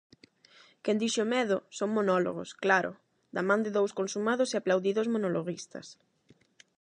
Quen dixo medo, son monólogos, claro, da man de dous consumados e aplaudidos monologuistas.